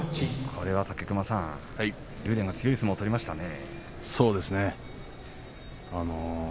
これは武隈さん竜電、強い相撲を取りましたね。